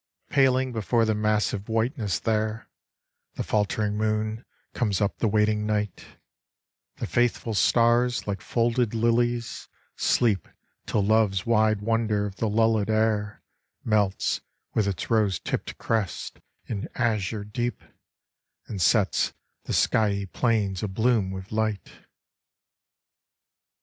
Paling before the massive whiteness there, The faltering moon comes up the waiting night; The faithful stars, like folded lilies, sleep Till Love's wide wonder of the lullëd air Melts with its rose tipt crests in azure deep, And sets the skyey plains abloom with light.